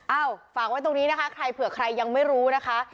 ฝากไว้ตรงนี้นะคะใครเผื่อใครยังไม่รู้นะคะ